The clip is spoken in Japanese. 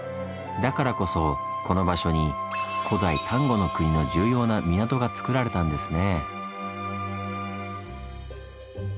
だからこそこの場所に古代丹後国の重要な港がつくられたんですね。